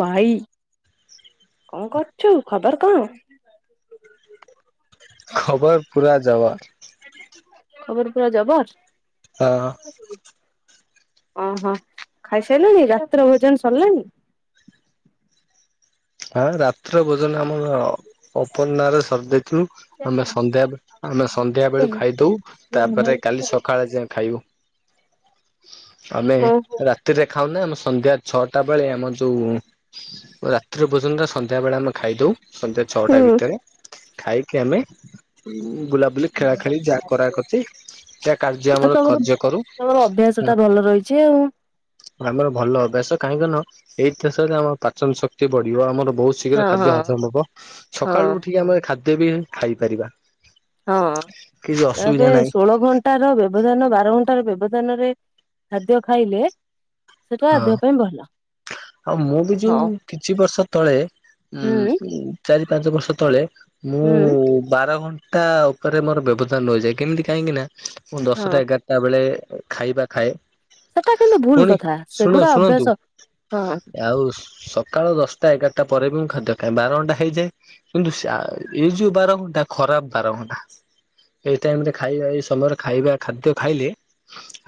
ଭାଇ କଣ କରୁଛୁ? ଖବର କଣ? ଖବର ପୁରା ଯବର। ଖବର ପୁରା ଯବର। ହ ଓହୋ ଖାଇସାରିଲାଣି ରାତ୍ର ଭୋଜନ ସରିଲାଣି? ହଁ ରାତ୍ର ଭୋଜନ ଆମର ଅପର୍ଣ୍ଣାର ସର୍ଦି। ତୁ ଆମେ ସନ୍ଧ୍ୟା ଆମେ ସନ୍ଧ୍ୟା ବେଳୁ ଖାଇଦଉ ତାପରେ କାଲି ସକାଳେ ଯା ଖାଇବୁ। ଆମେ ଓହୋ ରାତିରେ ଖାଉନା ଆମେ ସନ୍ଧ୍ୟା ଛଅଟା ବେଳେ ଆମର ଯୋଉ ପ ରାତ୍ର ଭୋଜନ ଟା ସନ୍ଧ୍ୟାବେଳେ ଆମେ ଖାଇଦଉ। ସନ୍ଧ୍ୟା ଛଅଟା ହୁଁ ଭିତରେ ଖାଇକି ଆମେ ବୁଲାବୁଲି ଖେଳା ଖେଳି ଯାହା କରା କରଚି ଯା କାର୍ଯ୍ୟ ଆଉ ଆମର ତମର କାର୍ଯ୍ୟ କରୁ। ତମର ଅଭ୍ୟାସ ଟା ଭଲ ରହିଛି ଆଉ। ଆମର ଭଲ ଅଭ୍ୟାସ କାହିଁକି ନା ଏଇତିହାସରେ ଆମର ପାଚନ ଶକ୍ତି ବଢିବ ଆମର ବହୁତ ହଁ ଶୀଘ୍ର ହଁ ଖାଦ୍ୟ ହଜମ ହବ ହଁ ସକାଳୁ ଉଠିକି ଆମର ଖା କେତେ ବି ଖାଇପାରିବା। ହଁ କିଛି ଅସୁବିଧା ତାପରେ ନାହିଁ ଷୋହଳ ଘଣ୍ଟାର ବ୍ୟବଧାନ ବାର ଘ ବ୍ୟବଧାନରେ ଖାଦ୍ୟ ଖାଇଲେ ସେଟା ହଁ। ଦେହ ପାଇଁ ଭଲ। ଆଉ ମୁଁ ବି ହଁ ଯୋଉ କିଛି ବର୍ଷ ତଳେ ହୁଁ ଉଁ ଚାରି ପାଞ୍ଚ ବର୍ଷ ତଳେ। ମୁଁ ହୁଁ ବାର ଘଣ୍ଟା ଟା ଉପରେ ମୋର ବ୍ୟବଧାନ ନଯାଏ କେମିତି କାହିଁକି ନା ମୁଁ ହଁ। ଦଶଟା ଏଗାରଟା ବେଳେ ଖାଇବା ଖାଏ। ସେଟା କିନ୍ତୁ ଭୁଲ ପୁଣି କଥା ଶୁଣ ସେଗୁଡା ଶୁଣନ୍ତୁ ଅଭ୍ୟାସ ହଁ ଆଉ। ସକାଳ ଦଶଟା ଏଗାରଟା ପରେ ବି ମୁଁ ଖାଦ୍ୟ ଖାଏ ବାର ଘଣ୍ଟା ହେଇଯାଏ କିନ୍ତୁ ଏଇ ଯୋଉ ବାର ଘଣ୍ଟା ଖରାପ ବାର ଘଣ୍ଟା, ଏଇ ଟାଇମରେ ଖାଇବା ଏଇ ସମୟରେ ଖାଇବା ଖାଦ୍ୟ ଖାଇଲେ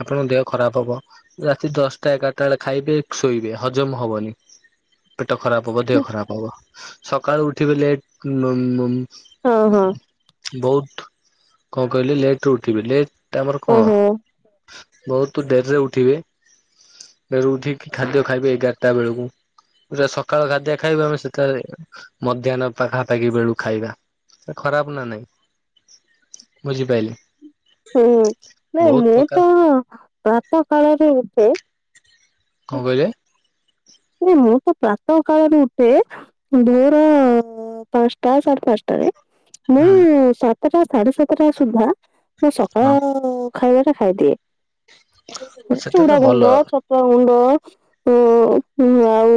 ଆପଣଙ୍କ ଦେହ ଖରାପ ହବ, ରାତି ଦଶଟା ଏଗାରଟା ବେଳେ ଖାଇବେ ଶୋଇବେ। ହଜମ ହବନି। ପେଟ ଖରାପ ହବ ଦେହ ଖରାପ ହବ। ସକାଳୁ ଉଠିବେ ଲେଟ୍ ମ-ମ ହଁ ହଁ। ବୋହୁତ କଣ କହିଲେ ଲେଟରେ ଉଠିବେ ଲେଟ। ତପରେ କଣ? ଓହୋ ବୋହୁତୁ ଡେରିରେ ଉଠିବି ଡେରିରେ ଉଠିକି ଖାଦ୍ୟ ଖାଇବି ଏଗାରଟା ବେଳକୁା ସକାଳ ଖାଦ୍ୟ ଖାଇବା ଆମେ ସେତେ ମଧ୍ୟାହ୍ନ ପାଖା ପାାଖି ବେଳକୁ ଖାଇବା ଖରାପ ନା ନାଇଁ ବୁଝିପାଇଲେ। ହୁଁ ନାଇଁ ମୁଁ ତ ପ୍ରାତ କାଳରେ ଉଠେ। କଣ କହିଲେ? ମୁଁ ତ ପ୍ରାତଃ କାଳରେ ଉଠେ ଭୋର ପାଞ୍ଚଟା ସାଢେ ପାଞ୍ଚଟାରେ ମୁଁ ହୁଁ ସାତଟା ସାଢେ ସାତଟା ସୁଦ୍ଧା ମୁଁ ହଁ ସକାଳ ଖାଇବାଟ ଖାଇଦିଏ। ସେଟା ତ ଚୁଡା ଭଲ ଗୁଣ୍ଡ ଛତୁଆ ଗୁଣ୍ଡ। ହଁ। ହଁ ଆଉ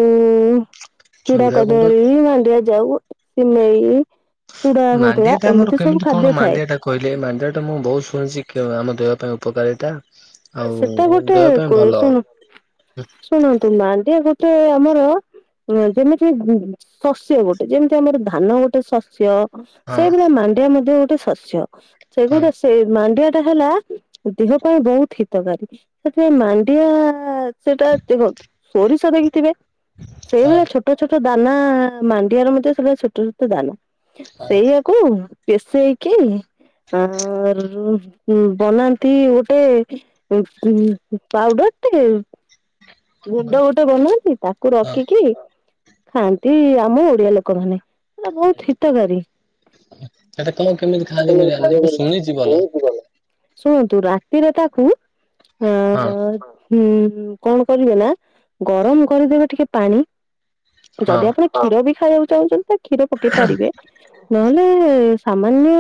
ଚୁଡା କଦଳୀ ମାଡିଆଁ ଯାଉ ସିମେଇ ଚୁଡା ସନ୍ତୁଳା ମାଣ୍ଡିଆ ଟା ଆମର ଏମିତି ସବୁ କେମିତି କଣ ଖାଦ୍ୟ ଥାଏ ମାଣ୍ଡିଆ ଟା କହିଲେ ମାଣ୍ଡିଆ ଟା ମୁଁ ବୋହୁତ ଶୁଣିଚି ଆମ ଦେହ ପାଇଁ ଉପକାରିତା ଆଉ ସେଟା ଗୋଟେ ଦେହ ପାଇଁ କୋଉ ଭଲ ଶୁଣ ଶୁଣନ୍ତୁ ମାଣ୍ଡିଆ ଗୋ ଟେ ଆମର ଯେମିତି ଶସ୍ୟ ଗୋଟେ ଯେମିତି ଆମର ଧାନ ଗୋଟେ ଶସ୍ୟ। ହଁ ସେଇଭଳିଆ ମାଣ୍ଡିଆ ମଧ୍ୟ ଗୋଟେ ଶସ୍ୟ। ହଁ ସେଗୁଡା ସେ ମାଣ୍ଡିଆ ଟା ହେଲା ଦେହ ପାଇଁ ବୋହୁତ ହି ତକାରୀ ସେଥିପାଇଁ ମାଣ୍ଡିଆ ସେଟା ଏତେ ଗ ସୋରିଷ ଦେଖିଥିବେ? ହଁ ସେଇଭଳିଆ ଛୋଟ ଛୋଟ ଦାନା ମାଣ୍ଡିଆର ମଧ୍ୟ ଛୋଟ ଛୋଟ ଦାନା। ସେଇଆକୁ ପେଷେଇକି ଆ ରୁ ବନାନ୍ତି ଗୋଟେ ପୁ ପାଉଡର ଟେ ଗୁଣ୍ଡ ଗୋଟେ ବନେଇକି ତାକୁ ହଁ ରଖିକି। ଖାଆନ୍ତି ଆମ ଓଡିଆ ଲୋକମାନେ। ବୋହୁତ ହିତକାରୀ। ସେଟା କଣ କେମିତି ଖାଆନ୍ତି ମୁଁ ଜାଣିନି ମୁଁ ଶୁଣିଛି ଭଲ ଶୁଣନ୍ତୁ ରାତିରେ ତାକୁ ହଁ। ହୁଁ କଣ କରିବେ ନା ଗରମକରିଦେବେ ଟିକେ ପାଣି। ହଁ ଯଦି ଆପଣ କ୍ଷୀର ବି ଖାଇବାକୁ ଚାହୁଁଛନ୍ତି। କ୍ଷୀର ପକେଇ ପାରିବେ। ନହେଲେ ସାମାନ୍ୟ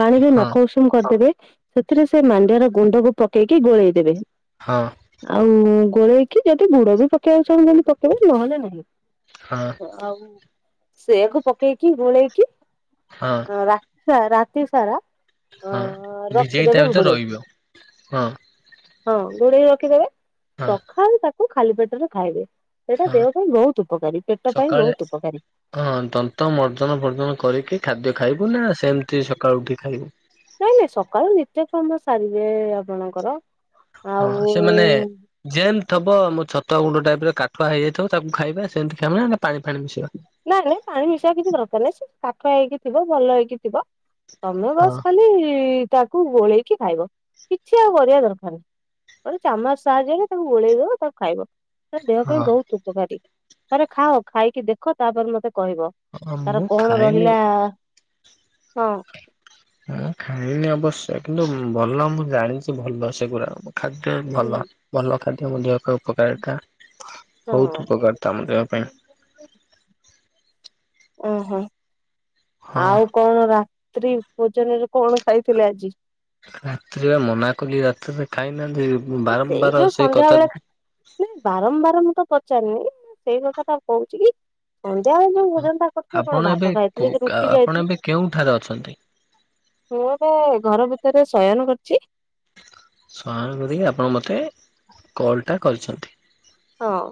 ପାଣିରେ ହଁ ନଖ ଉଷୁମ କରିଦେବେ। ସେଥିରେ ସେ ମାଣ୍ଡିଆ ର ଗୁଣ୍ଡକୁ ପକେଇକି ଗୋଳେଇଦବେ। ହଁ ଆଉ ଗୋଳେଇକି ଯଦି ଗୁଡ ବି ପକେଇବାକୁ ଚାହୁଁଛନ୍ତି ପକେଇବେ ନହେଲେ ନାହିଁ। ହଁ ଆଉ। ସେୟାକୁ ପକେଇକି ଗୋଳେଇକି ହଁ ରା ରାତି ସାରା ଅ ହଁ ଭିଜେଇ ତା ରଖିଦେବେ ଭିତ ଘୋଡେଇକି ରହିବ। ହଁ। ହଁ ଘୋଡେଇ ରଖିଦେବେ। ହଁ ସଖାଳୁ ତା ଖାଲି ପେଟରେ ଖାଇବେ। ସେଇଟା ହଁ ଦେହ ପାଇଁ ବହୁତ ଉପକାରୀ ପେଟ ପାଇଁ ସକାଳେ ବହୁତ ଉପକାରୀ ହଁ ଦନ୍ତ ମର୍ଜନ ଭର୍ଜନ କରିକି ଖାଦ୍ୟ ଖାଇବୁ ନା ସେମିତି ସକାଳୁ ଉଠି ଖାଇବୁ। କେତେ କାମ ସାରିବେ ଆପଣଙ୍କର। ହଁ ଆଉ ସେମାନେ ଯେମତି ଥିବ ମୋ ଛତଆ ଗୁଣ୍ଡ ଟାଇପ କାଠୁଆ ହେଇଯାଇଥିବ ତାକୁ ଖାଇବା ସେମିତି ଖାଇ ନାଇଁ ନାଇଁ ପାଣି ବିଷୟ କିଛି ଦରକାର ନାଇ ସେ କାଠୁଆ ହେଇକି ଥିବ ଭଲ ହେଇକି ଥିବ। ତମେ ହଁ ବସ ଖାଲି ତାକୁ ଗୋଳେଇକି ଖାଇବ କିଛି ଆଉ କରିବା ଦରକାର ନାହିଁ। ଗୋଟେ ଚାମଚ ସାହାଯ୍ୟରେ ତାକୁ ଗୋଳେଇ ଦବ ତାକୁ ଖାଇବ। ତା ଦେହ ହଁ ପାଇଁ ବହୁତ ଉପକାରୀ। ଥରେ ଖାଅ ଖାଇକି ଦେ ଖ ତାପ ମତେ କହିବ ହଁ ତାର ମୁଁ କଣ ଖାଏନି ରହିଲା? ହଁ। ହଁ ଖାଇନି ଅବଶ୍ୟ କିନ୍ତୁ ଭଲ ମୁଁ ଜାଣିଛି ଭଲ ସେଗୁରା। ଖାଦ୍ୟ ହୁଁ ଭଲ ଭଲ। [inaudible] ଉପକାରିତା ହଁ ବହୁତ ଉପକାରିତା ମଧ୍ୟ ପାଇଁ ଓ ହୋ। ହଁ ଆଉ କଣ ରା ତ୍ରୀ ଭୋଜନରେ କଣ ଖାଇଥିଲେ ଆଜି? ରାତିରେ ମନା କଲି ରାତିରେ ଖାଇନି। ସେଇ ଯୋଉ ସନ୍ଧ୍ୟା ବେଳେ ବାରମ୍ବାରମ୍ ମୁଁ ତ ପଚରୁନି ସେଇ କଥା ତ ଆଉ କହୁଛି କି ଯୋଉ ଭୋଜନ ଟା କରୁଥିଲେ କଣ ଆପଣ ଏବେ ଭାତ କୋ ଖାଇଥିଲ କି ରୁଟି ଆପଣ ଖାଇଥିଲି ଏବେ କେଉଁଠାରେ ଅଛନ୍ତି? ମୁଁ ତ ଘର ଭିତ ତାର ଶୟନ କରଛି। ସୟାନ ଆପଣ ମତେ କଲ ଟା କରିଛନ୍ତି। ହଁ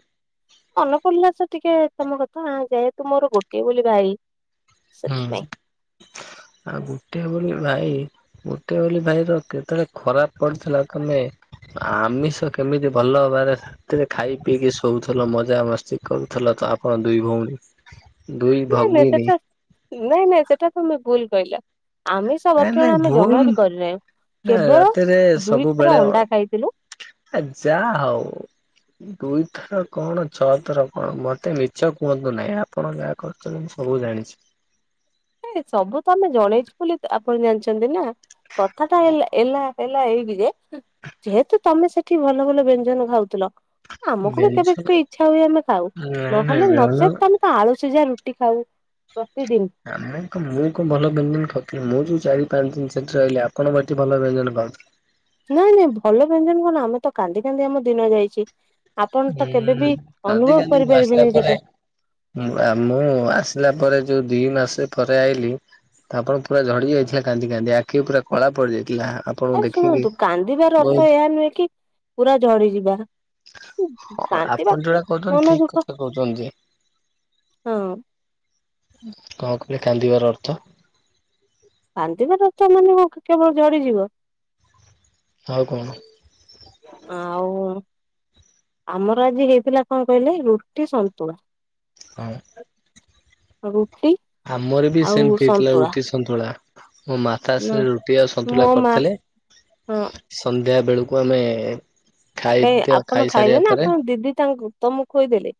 ମନ ପଡ଼ିଲତ ଟିକେ ତମ କଥା ଯେହେତୁ ମୋର ଗୋଟିଏ ବୋଲି ଭାଇ। ହୁଁ ସେଥିପାଇଁ। ଆଉ ଗୋଟେ ବୋଲି ଭାଇ ଗୋଟେ ବୋଲି ଭାଇ ର କେତେବେଳେ ଖରାପ ପଢୁଥିଲା ତମେ ଆମିଷ କେମିତି ଭଲ ହବାରେ ଶାନ୍ତିରେ ଖାଇ ପିଇକି ଶୋଉ ମଜା ମସ୍ତି କରୁଥିଲ ତ ଆପଣ ଦୁଇ ଭଉଣୀ। ଦୁଇ ନାଇଁ ନାଇଁ ଭଗ୍ଗିନୀ। ସେଟା ନାଇଁ ନାଇଁ ସେଟା ତମେ ଭୁଲ କହିଲ। ଆମିଷ ନାଇ ଭକ୍ଷଣ ନାଇଁ ଆମେ ଭୁଲ ଜମା ବି କରିନାହୁଁ ନା କେବଳ ରାତିରେ ଦୁଇଥର ସବୁବେଳେ ଅଣ୍ଡା ଖାଇଥିଲୁ ଆ ଯା ହଉ ଦୁଇଥର କଣ ଛଅ ଥର କଣ ମତେ ମିଛ କୁହନ୍ତୁ ନାହିଁ, ଆପଣ ଯାହା କରୁଛନ୍ତି ମୁଁ ସବୁ ଜାଣିଛି। ଏ ସବୁ ତ ଆମେ ଜଣେଇଛୁ ବୋଲି ଆପଣ ଜାଣିଛନ୍ତି ନା। କଥା ଟା ହେଲା ଏଲା ହେଲା ଏଇଠି ଯେ ଯେହେତୁ ତମେ ସେଠି ଭଲ ଭଲ ବ୍ୟଞ୍ଜନ ଖାଉଥିଲ ଆମକୁ ବି ବେଲଝ କେବେେ ଇଚ୍ଛା ହୁଏ ଆମେ ଖାଉ ନାଇଁ ନାଇଁ ନହେଲେ ବେଉଳ ନଚେତ୍ ତମେ ତ ଆଳୁ ସି ଯା ରୁଟି ଖାଉ ପ୍ରତିଦିନ। ଆମେ ତ ମୁଁ କଣ ଭଲ ବ୍ୟଞ୍ଜନ ଖଉଥିଲି ମୁଁ ଯୋଉ ଚାରି ପାଞ୍ଚ ଦିନ ସେଠି ରହିଲି ଆପଣ ଏଠି ଭଲ ବ୍ୟଞ୍ଜନ ପାଉୁଥିଲି। ନାଇଁ ନାଇଁ ଭଲ ବ୍ୟଞ୍ଜନ କରନ ଆମେ ତ କାନ୍ଦି କାନ୍ଦି ଆମ ଦିନ ଯାଇଛି। ଆପଣ ତ କେବେ ହୁଁମ ବି କାନ୍ଦି ଅନୁଭବ କାନ୍ଦି ମୁଁ ଆସିଲା କରିପାରିବେନି ସେଟା। ପରେ ମୁଁ ଆମ ମୁଁ ଆସିଲା ପରେ ଯୋଉ ଦି ମାସ ପରେ ଆଇିଲ ଆପଣ ପୁରା ଝଡି ଯାଇଥିଲା କାନ୍ଦି କାନ୍ଦି ଆଖି ପୁରା କଳା ପଡିଯାଇଛି। ଆରେ ଶୁଣନ୍ତୁ କାନ୍ଦିବାର ବହୁତ ଅର୍ଥ ଏହା ନୁହେଁ କି ପୁରା ଝଡିଯିବା। ହଁ କାନ୍ଦିବା ଆପଣ ଯୋଉଟା କହୁଛନ୍ତି ମନ ଠିକ ଦୁଃଖ କଥା କହୁଛନ୍ତି। ହଁ କଣ କହିଲେ କାନ୍ଦିବାର ଅର୍ଥ। କାନ୍ଧିବା ରକ୍ତ ମାନେ କେବଳ ଜଝଡିଯିବ। ଆଉ କଣ ଆଉ ଆମର ଆଜି ହେଇଥିଲା କଣ କହିଲେ ରୁଟି ସନ୍ତୁଳା। ହଁ। ହଉ। ଆମର ବି ସେମିତି ହେଇଥିଲା ରୁଟି ସନ୍ତୁଳା। ମୋ ନା ମାତାଶ୍ରୀ ରୁଟି ଆଉ ସନ୍ତୁଳା ମୋ ମା କରିଥିଲେ ହଁ ବେଳକୁ ଆମେ କାଇଁ ଖାଇଦିଅ ଆପଣ ଖାଇଲେ ଖାଇସାରିବା ନା ପରେ ଆପଣ ଦିଦି ତାଙ୍କୁ ତମକୁ ଖୋଇଦେଲେ?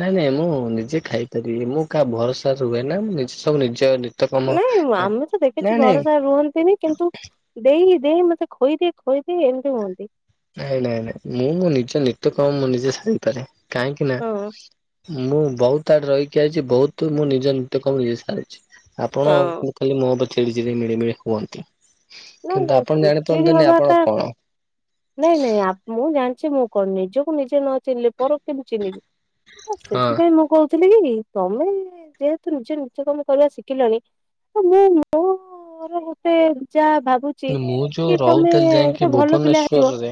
ନାଇଁ ନାଇଁ ମୁଁ ନିଜେ ଖାଇପାରିବି ମୁଁ ଭରସା [inaudible] ନାଇଁ ଆମେ ତ ଦେଖିଛୁ ନାଇଁ ନାଇଁ ନାଇଁ ଭରସା ରୁହନ୍ତିନି କିନ୍ତୁ ଦେଇ ଦେଇ ମତେ ଖୋଇଇଦି ଖୋଇଦିଏ ଏମିତି ହୁଅନ୍ତି। ନାଇଁ ନାଇଁ ନାଇଁ ମୁଁ ମୋ ନିଜ ନିତ୍ୟ କମ ମଁ ନିଜେ ସାରପାରେ କାହିଁକି ନା ହଁ ମୁଁ ବହୁତ ଆଡେ ରହିକି ଆସିଛି ବହୁତ ମୁଁ ନିଜ ନିିତ କଣ ନିଯେ ସାରିଛି। ଆପଣ ହଁ କି କାଲି ମୋ ବ [inaudible] ମିଳିମିଳି ହୁଅନ୍ତି। ନାଇଁ କିନ୍ତୁ ନାଇଁ ଆପଣ ଚିଡି ଚିଡ଼ି ଜାଣିପାରନ୍ତିନି ଆପଣ ହବାଟା କଣ ନାଇଁ ନାଇଁ ଆପଣ ମୁଁ ଜାଣିଛି ମୁଁ କଣ ନିଜକୁ ନିଜେ ନ ଚିହ୍ନିଲି ପର କେମିତି ଚିହ୍ନିବି। ହଁ ସେଥିପାଇଁ ମୁଁ କହୁଥିଲି କି ତମେ ଯେହେତୁ ନିଜେ ନିିତ କମ କରିବା ଶିଖିଲଣି ତ ମୁଁ [inaudible] ଏତେ ଯା ଭାବୁଛି ମୁଁ ଯୋଉ କି ତମେ ରହୁଥିଲି ଯାଇକି ଗୋଟେ ଭଲ ପିଲା ହେଇଥିବ ଭୁବନେଶ୍ଵରରେ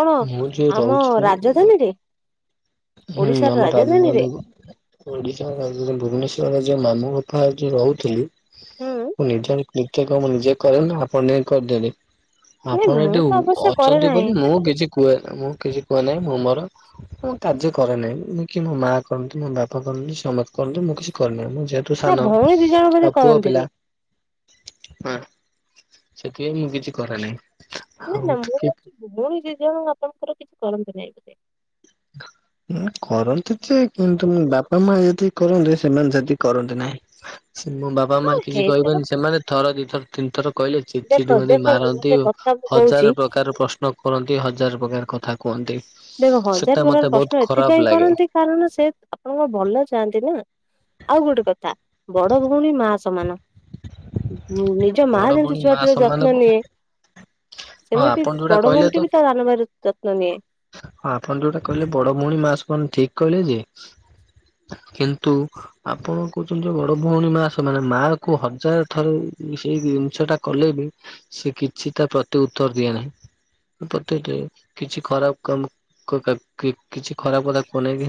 କଣ ମୁଁ ଯୋଉ ଆମ ରହୁଛି ରାଜଧାନୀରେ। ହୁଁ ଓଡିଶାର ଆମର ରାଜଧାନୀ ରାଜଧାନୀରେ ଓଡିଶା ରାଜଧାନୀ ଭୁବନେଶ୍ଵର ରେ। ଯ ମାମୁଙ୍କ ପାଖରେ ରହୁଥିଲି ହୁଁ ନିଜରତେ କାମ ନିଜେ କରେ ନା ଆପଣ ଯ କରିଦେଲେ। ନାଇଁ ଆପଣ ମୁଁ ଏଠି ତ ଅବଶ୍ୟ କରେ ଅଛନ୍ତି ନାହିଁ ବୋଲି ମୁଁ କିଛି କୁହେନା ମୁଁ କିଛି। କୁହ ନହିଁ ମୁଁ ମୋର। କାର୍ଯ୍ୟ କରେ ନାହିଁ ମୁଁ କି ମୋ ମା କରନ୍ତୁ ମୋ ବାପା କରନ୍ତୁ ସମସ୍ତେ କରନ୍ତୁ ମୁଁ କିଛି କରେ ନାହିଁ ମୁଁ। ଯେହେତୁ ନା ସାନ ଭଉଣୀ ଦି ଜଣ ବୋଧେ ଆଉ ପୁଅ କରନ୍ତିନି ପିଲା ହଁ। ସେଥିପାଇଁ ମୁଁ କିଛି କରେ ନାହିଁ। ନା ଆଉ ନା ମୁଁଛି ଘୁଛି। ଆପଣଙ୍କର କିଛି କରନ୍ତି ନାହିଁ ବୋଧେ। କରନ୍ତି ଯେ କିନ୍ତୁ ମୋ ବାପା ମା ଯଦି କରନ୍ତୁ ସେମାନେ ଯଦି କରନ୍ତି ନାହିଁ। ମୋ ବାପା ମା ହଁ କିଛି ହେଇଥିବ କହିବେନି ସେମାନେ ଥର ଦିଥର ତିନିଥର। କହିଲେ ଦେଖ ଚିଡଚିଡ୍ ହୁଅନ୍ତି ଦେଖନ୍ତୁ ମାରନ୍ତି ଗୋଟେ କଥା ମୁଁ କହୁଛି ହଜାର ପ୍ରକାର ପ୍ରଶ୍ନ କରନ୍ତି ହଜାର ପ୍ରକାର କଥା କୁହନ୍ତି। ଦେଖ ହଁ ଯା ସେଟା ମତେ ପ୍ରକାର ବହୁତ ପ୍ରଶ୍ନ ଖରାପ ଏଥିପାଇଁ ଲାଗେ କରନ୍ତି କାରଣ ସେ ଆପଣଙ୍କ ଭଲ ଚାହାନ୍ତି ନା। ଆଉ ଗୋଟେ କଥା ବଡ ଭଉଣୀ ମା ସମାନ। ହଁ ନିଜ ମା ବଡ ଯେମିତି ଭଉଣୀ ମା ଛୁଆଟିର ସମାନ ଯତ୍ନ ନିଏ। ହଁ ସେମିତି ଆପଣ ଯୋଉଟା ବଡ କହିଲେ ଭଉଣୀ ତ ଟେ ବି ତା ସାନ ଭାଇର ଯତ୍ନ ନିଏ। ହଁ ଆପଣ ଯୋଉଟା କହିଲେ ବଡ ଭଉଣୀ ମା ସମାନ ଠିକ୍ କହିଲେ ଯେ, କିନ୍ତୁ ଆପଣ କହୁଛନ୍ତି ଯୋଉ ବଡ ଭଉଣୀ ମା ସମାନ ମା କୁ ହଜାରେ ଥରେ ସେହି ଜିନିଷ ଟା କଲେ ବି ସେ କିଛି ତା ପ୍ରତି ଉତ୍ତର ଦିଏ ନାହିଁ ପ୍ରତି କିଛି ଖରାପ କ-କ-କିଛି ଖରାପ କଥା କୁହନ୍ତି କି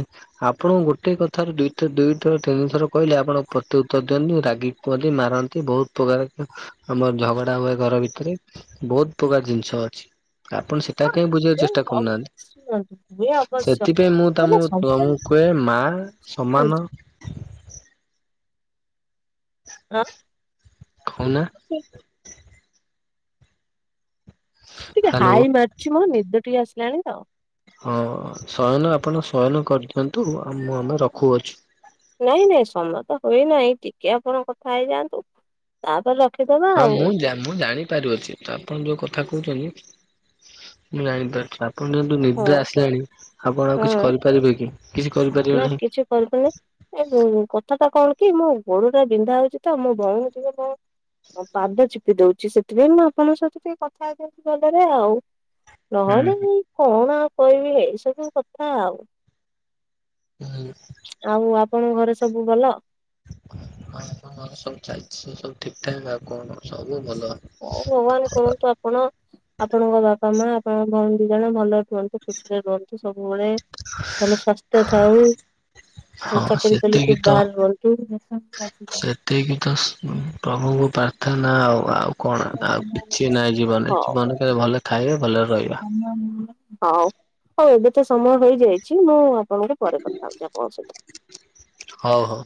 ଆପଣ ଗୋଟେ କଥାରେ ଦଥ ଦୁଇଥର ତିନି ଥର କହିଲେ ଆପଣ ପ୍ରତି ଉତ୍ତର ଦିଅନ୍ତି ରାଗି କୁହନ୍ତି ମାରନ୍ତି ବହୁତ ପ୍ରକାର ଆମର ଝଗଡା ହୁଏ ଘର ଭିତରେ ବହୁତ ପ୍ରକାର ଜିନିଷ ଅଛି। ଆପଣ ହଁ ସେଟାକୁ କାହିଁକି ବୁଝିବାକୁ ହୁଏ ଚେଷ୍ଟା କରୁନାହାନ୍ତି। ଶୁଣନ୍ତୁ ହୁଏ ଅବଶ୍ୟ ସେଥିପାଇଁ ମୁଁ ହେଲେ ତମ ସବୁବେଳେ ତମକୁ କୁହେ ମା ସମାନ ହଁ। ହଁ ନା। ଟିକେ ହ୍ୟାଲୋ ହାଇ ମାରୁଛି ମ ନିଦ ଟି ଆସିଲାଣି ତ। ହଁ ଶୟନ ଆପଣ ଶୟନ କରିଥାନ୍ତୁ ମୁଁ ଆମେ ରଖୁଅଛୁ। ନାଇଁ ନାଇଁ ସମୟ ତ ହୋଇ ନାହିଁ ଟିକେ ଆପଣ କଥା ହେଇଯାଆନ୍ତୁ ତାପରେ ରଖି ହଁ ମୁଁ ମୁଁ ଜାଣିପାରୁଅଛି ତ ଆପଣ ଯୋଉ କଥା କହୁଛନ୍ତି। ମୁଁ ଜାଣି ପାରୁଛି ସାବ୍ ଆପଣ ଯେହନ୍ତୁ ହଁ ନିଦ୍ରା ଆସିଲାଣି ଆପଣ ଆଉ କିଛି ହଁ। କରିପାରିବେ କି? କିଛି କରିପାରିବେ ନା ନାହିଁ। କିଛି କରିବନି ଏ କଥା ଟା କଣ? କି ମୋ ଗୋଡ ଟା ବିନ୍ଧା ହଉଛି ତ ମୋ ଭଉଣୀ ଟିକେ ମୋ ପାଦ ଚିପି ଦଉଛି। ସେଥିପାଇଁ ମୁଁ ଆପଣଙ୍କ ସହିତ ଟିକେ କଥା ହେଇଯାଉଛି ଭଲରେ ଆଉ। ହୁଁ। ନହେଲେ ଏଇ କଣ ଆଉ କହିବି ଏଇସବୁ କ ହେ ଆଉ। ହୁଁ। କଣ ଘରେ ସବୁ ଭଲ? ହ ସବୁ ଚାଲିଚି ସବୁ ଠିକ ଠାକ୍ ଆଉ କଣ ସବୁ ଭଲ। ହଁ ଭଗବାନ କରନ୍ତୁ ଆପଣ ଆପଣଙ୍କ ବାପା ମା ଆପଣଙ୍କ ଭ ଦି ଜଣ ଭଲରେ ରୁହନ୍ତୁ ଖୁସିରେ ରୁହନ୍ତୁ ସବୁବେଳେ ଭଲ ସ୍ୱାସ୍ଥ ତଥାଉ। ହଁ ସେତିକି ତ ରୁହନ୍ତୁ। ସେତିକି ତ ପ୍ରଭୁ କୁ ପ୍ରାର୍ଥନାଉ ଆଉ କଣ ଆଉ କିଛି ନାହିଁ ଜୀବନରେ ହଉ ଜୀବନ କେବେ ଭଲ ଖାଇବା ଭଲରେ ରହିବା। ହଉ ହଉ ଏବେ ତ ସମୟ ହେଇଯାଇଛି ମୁଁ। ଶ ମିନିଟ୍ ପରେ କଥା ହଉଛି ଆପଣଙ୍କ ସହିତ। ହଉ ହଉ।